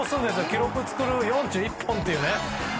記録を作る４１本という。